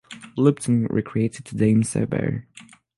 Lupton retreated to Deim Zubeir.